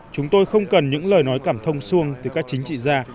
chúng tôi không cần những lời nói cảm thông xuông từ các chính trị gia